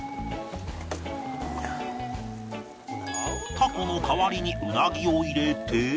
タコの代わりにウナギを入れて